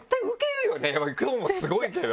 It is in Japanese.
今日もスゴいけど。